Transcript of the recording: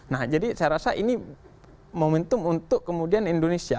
nah jadi saya rasa ini momentum untuk kemudian indonesia